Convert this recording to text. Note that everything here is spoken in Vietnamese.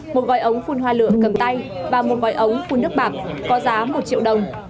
một gói ống phun hoa lửa cầm tay và một gói ống phun nước bạc có giá một triệu đồng